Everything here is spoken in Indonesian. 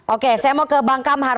oke saya mau ke bang kamhar